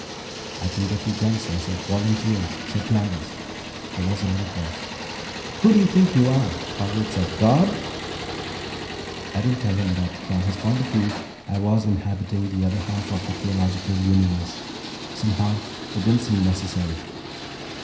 "I can get you guns," I said. "Volunteers. Supplies." There was a little pause. "Who do you think you are?" Hollerith said. "God?" I didn't tell him that, from his point of view, I was inhabiting the other half of the theological universe. Somehow, it didn't seem necessary.